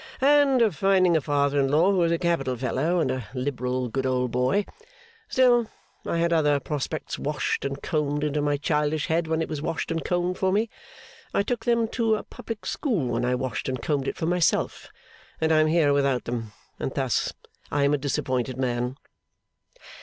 'And of finding a father in law who is a capital fellow and a liberal good old boy. Still, I had other prospects washed and combed into my childish head when it was washed and combed for me, and I took them to a public school when I washed and combed it for myself, and I am here without them, and thus I am a disappointed man.